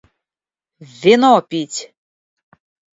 Вино пить!